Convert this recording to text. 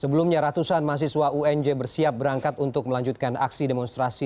sebelumnya ratusan mahasiswa unj bersiap berangkat untuk melanjutkan aksi demonstrasi